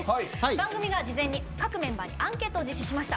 番組が事前に各メンバーにアンケートを実施しました。